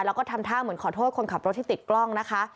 แล้วก็ทำท่าเหมือนขอโทษคนขับรถที่ติดกล้องนะคะ